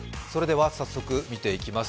早速見ていきます。